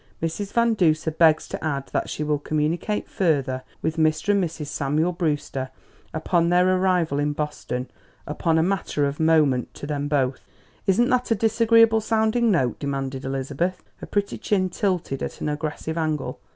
Mrs. Van Duser begs to add that she will communicate further with Mr. and Mrs. Samuel Brewster upon their arrival in Boston upon a matter of moment to them both." "Isn't that a disagreeable sounding note?" demanded Elizabeth, her pretty chin tilted at an aggressive angle.